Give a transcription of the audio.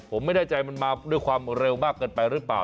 ผมไม่แน่ใจมันมาด้วยความเร็วมากเกินไปหรือเปล่า